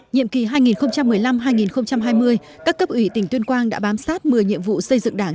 nhiệm kỳ hai nghìn một mươi năm hai nghìn hai mươi các cấp ủy tỉnh tuyên quang đã bám sát một mươi nhiệm vụ xây dựng đảng